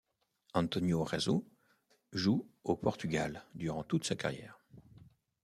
António Jesus joue au Portugal durant toute sa carrière..